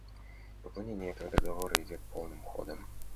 Выполнение этого Договора идет полным ходом.